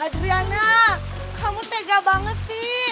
adriana kamu tega banget sih